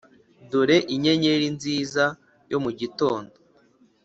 dore inyenyeri nziza yo mu gitondo,